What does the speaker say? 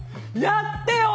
やってよ！